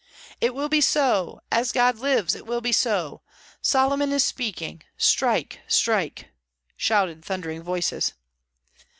"It will be so! As God lives, it will be so! Solomon is speaking! Strike! strike!" shouted thundering voices.